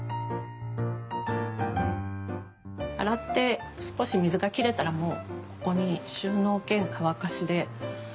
洗って少し水がきれたらもうここに収納兼乾かしで置いてあって。